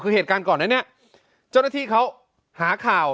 คือเหตุการณ์ก่อนนั้นเนี่ยเจ้าหน้าที่เขาหาข่าว